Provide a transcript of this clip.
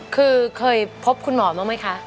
คือเคยพบคุณหมอมากมั้ยคะ